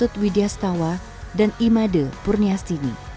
bapaknya widya setawa dan imade purniastini